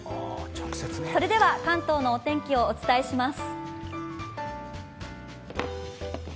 それでは関東のお天気をお伝えします。